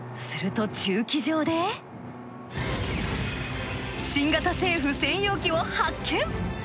すると駐機場で新型政府専用機を発見。